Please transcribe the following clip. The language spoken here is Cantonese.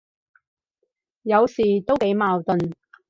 有時都幾矛盾，